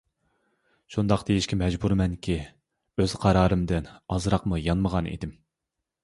شۇنداق دېيىشكە مەجبۇرمەنكى، ئۆز قارارىمدىن ئازراقمۇ يانمىغان ئىدىم.